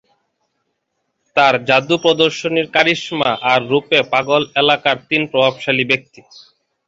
তার যাদু প্রদর্শনীর কারিশমা আর রূপে পাগল এলাকার তিন প্রভাবশালী ব্যক্তি।